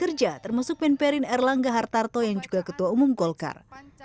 kerja termasuk pen perin erlangga hartarto yang juga ketua umum golkar